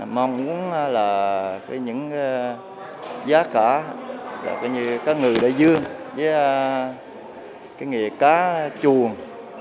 mong là những giá cả như cá ngừ đại dương cá chuồng